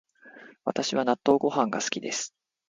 私は納豆ご飯が好きです